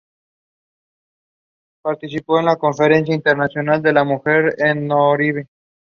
Alonso "Cachaco" Rodríguez estuvo en los mismos equipos como jugador y como entrenador.